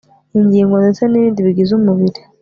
ingingo ndetse n ibindi bigize umubiri